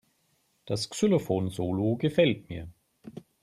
Das Xylophon-Solo gefällt mir.